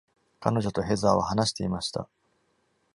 彼女とヘザーは話していました。